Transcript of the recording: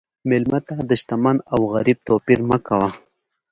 مېلمه ته د شتمن او غریب توپیر مه کوه.